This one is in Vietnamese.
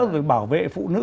rồi bảo vệ phụ nữ